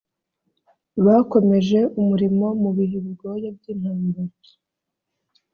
bakomeje umurimo mu bihe bigoye by intambara